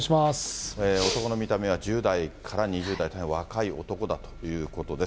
男の見た目は１０代から２０代、大変若い男だということです。